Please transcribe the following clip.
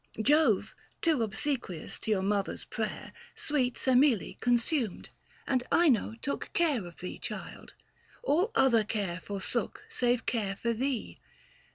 Jove, too obsequious to your mother's prayer, Sweet Semele consumed ; and Ino took Charge of thee, child ; all other care forsook 580 Save care for thee.